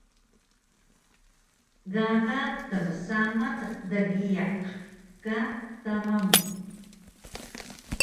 Gaga tmsamac dgiyaq ka tama mu